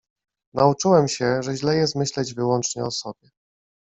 Nauczyłem się, że źle jest myśleć wyłącznie o sobie.